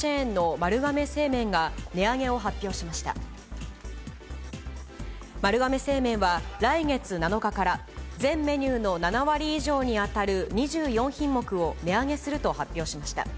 丸亀製麺は、来月７日から、全メニューの７割以上に当たる２４品目を値上げすると発表しました。